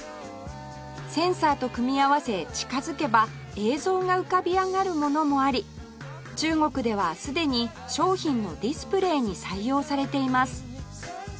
センサーと組み合わせ近づけば映像が浮かび上がるものもあり中国ではすでに商品のディスプレーに採用されています